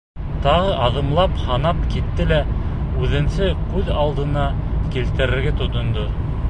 Тағы аҙымлап һанап китте лә үҙенсә күҙ алдына килтерергә тотондо.